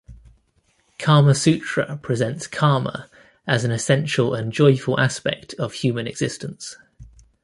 "Kama Sutra" presents kama as an essential and joyful aspect of human existence.